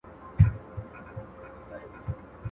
«یو سړی» ولیدی